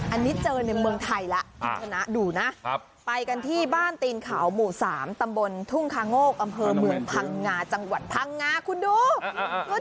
อันนี้เจอในเมืองไทยแล้วคุณชนะดูนะไปกันที่บ้านตีนเขาหมู่๓ตำบลทุ่งคาโงกอำเภอเมืองพังงาจังหวัดพังงาคุณดู